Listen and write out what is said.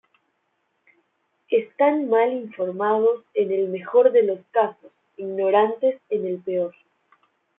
Están mal informados en el mejor de los casos, ignorantes en el peor.